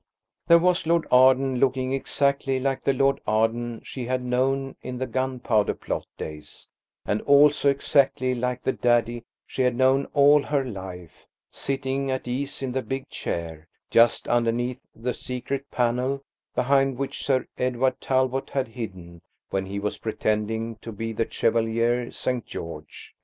There was Lord Arden, looking exactly like the Lord Arden she had known in the Gunpowder Plot days, and also exactly like the daddy she had known all her life, sitting at ease in the big chair just underneath the secret panel behind which Sir Edward Talbot had hidden when he was pretending to be the Chevalier St. George.